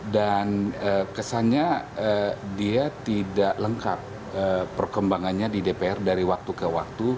dan kesannya dia tidak lengkap perkembangannya di dpr dari waktu ke waktu